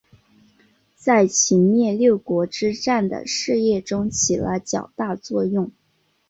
在秦灭六国之战的事业中起了较大作用。